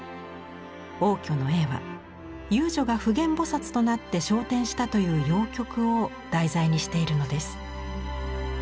応挙の絵は遊女が普賢菩となって昇天したという謡曲を題材にしているのです。